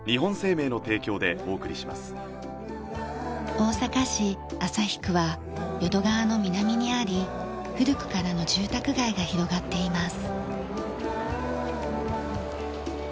大阪市旭区は淀川の南にあり古くからの住宅街が広がっています。